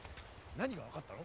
何が分かったの？